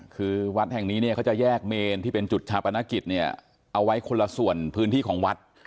คือวัดแห่งนี้เนี่ยเขาจะแยกเมนที่เป็นจุดชาปนกิจเนี่ยเอาไว้คนละส่วนพื้นที่ของวัด